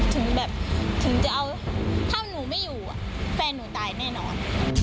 ถึงแบบถึงจะเอาถ้าหนูไม่อยู่แฟนหนูตายแน่นอน